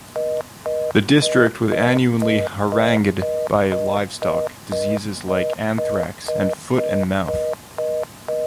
The district with annually harangued by livestock diseases like anthrax and foot and mouth.